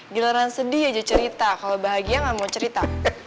giliran sedih aja cerita kalau bahagia gak mau cerita